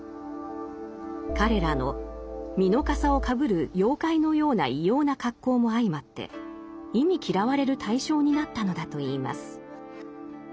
彼らの「蓑笠をかぶる妖怪のような異様な恰好」も相まって忌み嫌われる対象になったのだといいます。